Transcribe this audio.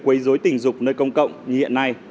quấy dối tình dục nơi công cộng như hiện nay